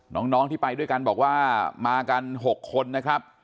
น้องที่ไปด้วยกันบอกว่ามากัน๖คนนะครับ